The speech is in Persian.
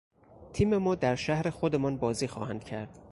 تیم ما در شهر خودمان بازی خواهند کرد.